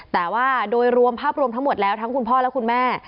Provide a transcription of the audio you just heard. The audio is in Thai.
แต่ว่าโดยรวมภาพรวมทั้งหมดแล้วทั้งคุณพ่อและคุณแม่